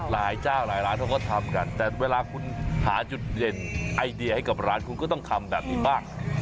เจ้าหลายร้านเขาก็ทำกันแต่เวลาคุณหาจุดเด่นไอเดียให้กับร้านคุณก็ต้องทำแบบนี้บ้าง